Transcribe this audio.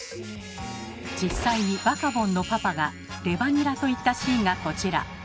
実際にバカボンのパパが「レバニラ」と言ったシーンがこちら。